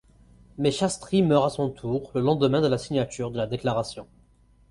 Mais Shastri meurt à son tour, le lendemain de la signature de la Déclaration.